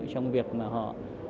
trong việc mà họ